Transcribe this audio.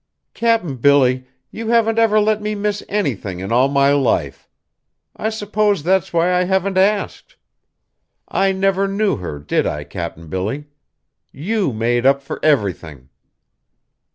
"Cap'n Billy, you haven't ever let me miss anything in all my life. I s'pose that's why I haven't asked. I never knew her, did I, Cap'n Billy? You made up for everything."